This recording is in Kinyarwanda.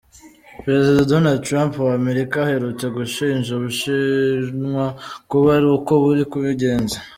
Perezida Donald Trump w'Amerika aherutse gushinja Ubushinwa kuba ari uko buri kubigenza.